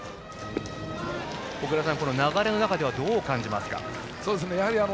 小倉さん、流れの中ではどう感じますか？